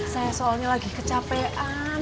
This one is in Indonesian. saya soalnya lagi kecapean